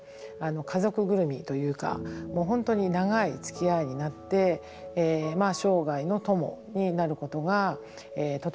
家族ぐるみというかもう本当に長いつきあいになってまあ生涯の友になることがとても多いなというふうに思ってます。